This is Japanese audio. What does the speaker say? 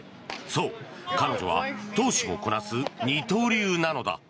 そう、彼女は投手もこなす二刀流なのだ。